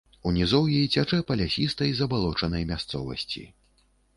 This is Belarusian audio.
У нізоўі цячэ па лясістай забалочанай мясцовасці.